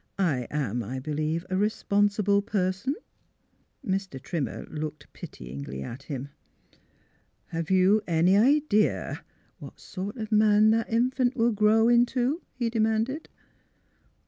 I am, I believe, a responsible person." Mr. Trimmer looked pityingly at him. " Have you any idea what sort of man that infant will grow into? " he demanded.